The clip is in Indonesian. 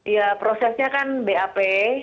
ya prosesnya kan bap